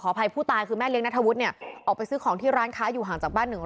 อภัยผู้ตายคือแม่เลี้ยนัทวุฒิเนี่ยออกไปซื้อของที่ร้านค้าอยู่ห่างจากบ้านหนึ่ง